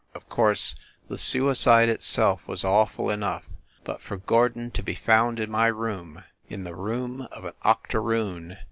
Of course, the sui cide itself was awful enough; but for Gordon to be found in my room, in the room of an octoroon!